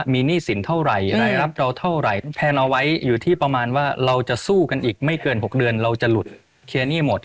มีอะไรอยากจะฝากเตือนไหม